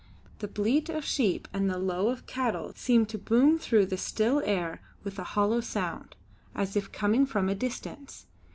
The bleat of sheep and the low of cattle seemed to boom through the still air with a hollow sound, as if coming from a distance.